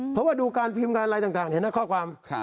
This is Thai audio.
เพราะว่าดูการพิมพ์การอะไรต่างเห็นไหมข้อความ